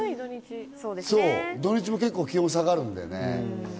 土日も結構、気温が下がるんだよね。